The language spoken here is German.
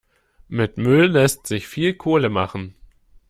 Mit Müll lässt sich viel Kohle machen.